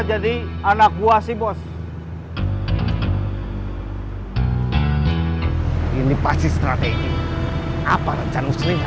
jadi anak gua sih bos ini pasti strategi apa rencananya sendiri